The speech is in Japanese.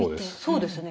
そうですよね